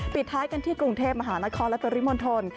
ปิดท้ายกันที่กรุงเทพมหานครและปริมณฑล